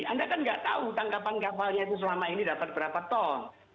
anda kan nggak tahu tangkapan kapalnya itu selama ini dapat berapa ton